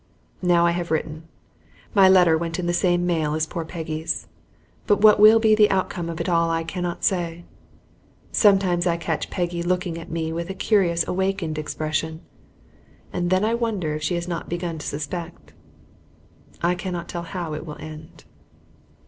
Now I have written. My letter went in the same mail as poor Peggy's, but what will be the outcome of it all I cannot say. Sometimes I catch Peggy looking at me with a curious awakened expression, and then I wonder if she has begun to suspect. I cannot tell how it will end.